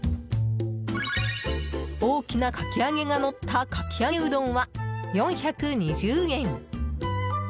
大きなかき揚げがのったかき揚げうどんは４２０円。